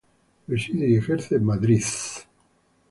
Reside y ejerce en Madrid.